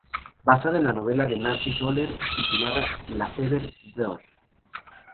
Basado en la novela de Narcís Oller titulada "La febre d'or".